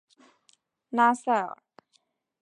拉塞尔。